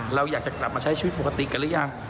เราอยากจะกลับมาใช้ชีวิตปกติกันหรือยัง